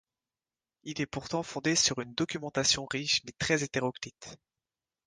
Il est pourtant fondé sur une documentation riche mais très hétéroclite.